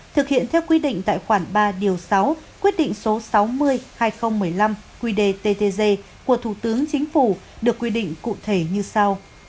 thực hiện theo quy định tại khoản ba điều sáu quyết định số sáu mươi hai nghìn một mươi năm qdttg của thủ tướng chính phủ được quy định cụ thể như sau